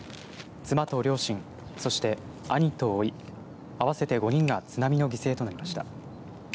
妻と両親そして、兄とおい合わせて５人が津波の犠牲となりました。